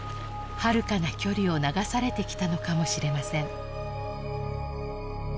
はるかな距離を流されてきたのかもしれません